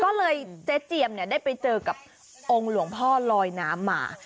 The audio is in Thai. ก็เลยเจ๊เจียมเนี่ยได้ไปเจอกับองค์หลวงพ่อลอยน้ำมา